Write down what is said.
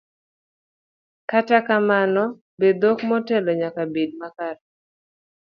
Kata kamano, be dhok motelo nyaka bed makare?